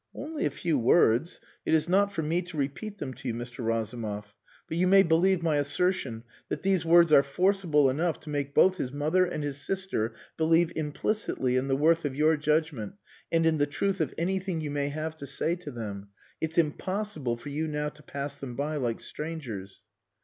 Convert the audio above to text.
"Only a few words. It is not for me to repeat them to you, Mr. Razumov; but you may believe my assertion that these words are forcible enough to make both his mother and his sister believe implicitly in the worth of your judgment and in the truth of anything you may have to say to them. It's impossible for you now to pass them by like strangers."